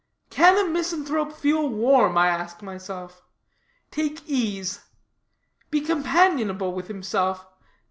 Can a misanthrope feel warm, I ask myself; take ease? be companionable with himself?